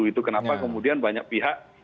itu kenapa kemudian banyak pihak